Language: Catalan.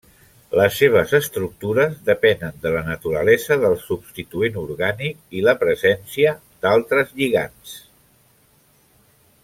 Les seves estructures depenen de la naturalesa del substituent orgànic i la presència d'altres lligands.